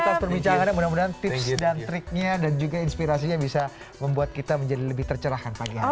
atas perbincangannya mudah mudahan tips dan triknya dan juga inspirasinya bisa membuat kita menjadi lebih tercerahkan pagi hari ini